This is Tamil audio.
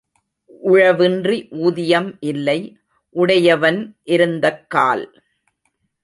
உழவின்றி ஊதியம் இல்லை, உடையவன் இருந்தக்கால்.